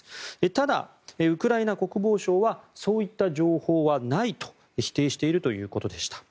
ただ、ウクライナ国防省はそういった情報はないと否定しているということでした。